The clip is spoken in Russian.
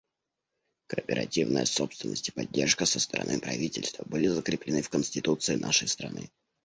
Кооперативная собственность и поддержка со стороны правительства были закреплены в Конституции нашей страны.